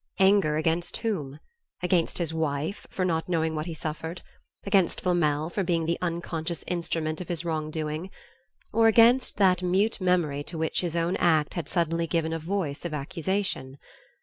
Anger against whom? Against his wife, for not knowing what he suffered? Against Flamel, for being the unconscious instrument of his wrong doing? Or against that mute memory to which his own act had suddenly given a voice of accusation?